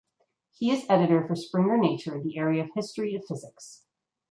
He is editor for Springer Nature in the area of History of Physics.